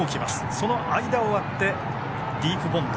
その間を割ってディープボンド。